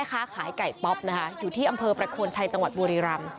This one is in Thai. ค้าขายไก่ป๊อปนะคะอยู่ที่อำเภอประโคนชัยจังหวัดบุรีรำ